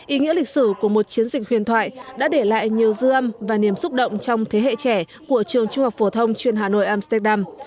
ý nghĩa lịch sử của một chiến dịch huyền thoại đã để lại nhiều dư âm và niềm xúc động trong thế hệ trẻ của trường trung học phổ thông chuyên hà nội amsterdam